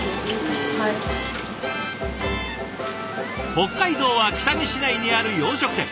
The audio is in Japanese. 北海道は北見市内にある洋食店。